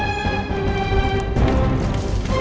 di sini pada planet